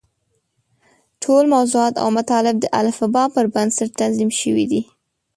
ټول موضوعات او مطالب د الفباء پر بنسټ تنظیم شوي دي.